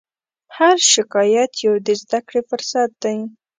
هر شکایت یو د زدهکړې فرصت دی.